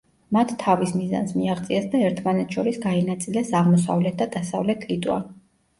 მათ თავის მიზანს მიაღწიეს და ერთმანეთს შორის გაინაწილეს აღმოსავლეთ და დასავლეთ ლიტვა.